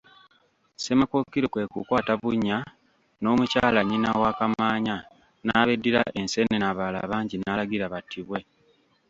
Ssemakookiro kwe kukwata Bunnya n'Omukyala nnyina wa Kamaanya n'abeddira enseenene abalala bangi n'alagira battibwe.